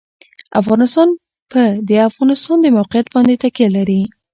افغانستان په د افغانستان د موقعیت باندې تکیه لري.